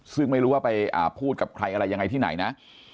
ซึ่งไม่รู้ว่าไปพูดกับใครอะไรยังไงที่ไหนนะ